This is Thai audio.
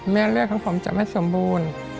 เลือดของผมจะไม่สมบูรณ์